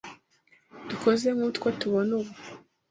dukoze nk’utwo tubona ubu.